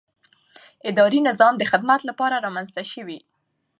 اداري نظام د خدمت لپاره رامنځته شوی.